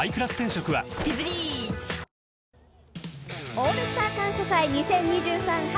「オールスター感謝祭２０２３春」